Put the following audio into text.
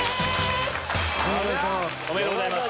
おめでとうございます。